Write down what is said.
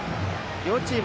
両チーム